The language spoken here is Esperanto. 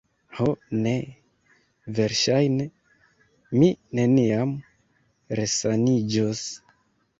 Ho ne; verŝajne mi neniam resaniĝos...